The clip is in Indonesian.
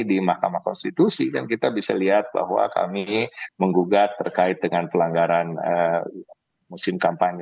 di mahkamah konstitusi dan kita bisa lihat bahwa kami menggugat terkait dengan pelanggaran musim kampanye